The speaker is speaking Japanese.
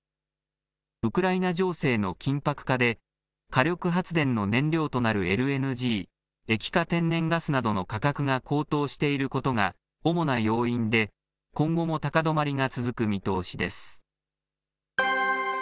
ウクライナ情勢の緊迫化で、火力発電の燃料となるＬＮＧ・液化天然ガスなどの価格が高騰していることが主な要因で、今後も高止まりが続く見通しです。